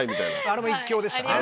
あれも一興でしたね。